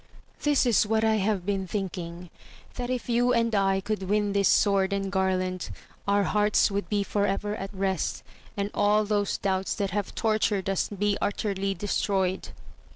This is what I have been thinking ; that if you and I could win this sword and garland, our hearts would be for ever at rest, and all those doubts that have tortured us be utterly destroyed.